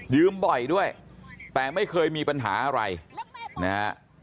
บ่อยด้วยแต่ไม่เคยมีปัญหาอะไรนะฮะ